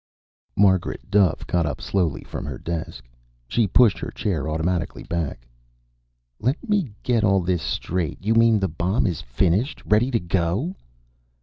Margaret Duffe got up slowly from her desk. She pushed her chair automatically back. "Let me get all this straight. You mean the bomb is finished? Ready to go?"